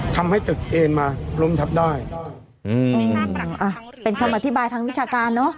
ทำให้ตึกเอ็นมาล้มทับได้อืมอ่ะเป็นคำอธิบายทางวิชาการเนอะ